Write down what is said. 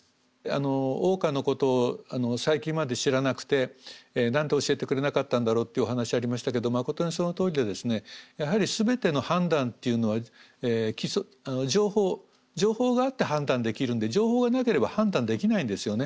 桜花のことを最近まで知らなくて何で教えてくれなかったんだろうってお話ありましたけどまことにそのとおりでですねやはり全ての判断っていうのは情報があって判断できるんで情報がなければ判断できないんですよね。